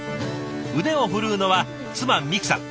腕を振るうのは妻未来さん。